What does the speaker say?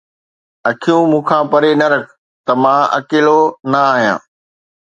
اکيون مون کان پري نه رک ته مان اڪيلو نه آهيان